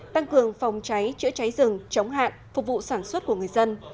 tăng cường phòng cháy chữa cháy rừng chống hạn phục vụ sản xuất của người dân